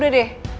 ayah udah deh